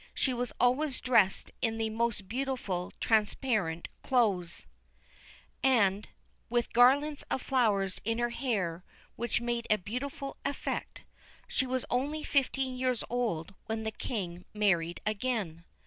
She was always dressed in the most beautiful transparent clothes, and with garlands of flowers in her hair, which made a beautiful effect. She was only fifteen years old when the King married again.